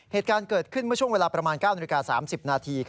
เหตุการณ์เกิดขึ้นเมื่อช่วงเวลาประมาณ๙นาฬิกา๓๐นาที